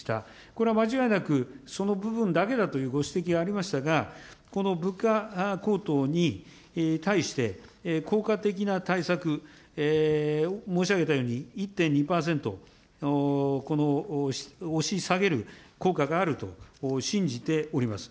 これは間違いなく、その部分だけだというご指摘がありましたが、この物価高騰に対して、効果的な対策、申し上げたように、１．２％、押し下げる効果があると信じております。